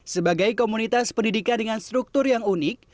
sebagai komunitas pendidikan dengan struktur yang unik